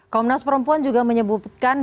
komnas perempuan juga menyebutkan